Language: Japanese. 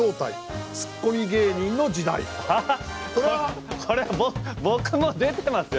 ここれは僕も出てますよ